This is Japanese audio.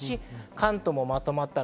関東もまとまった雨。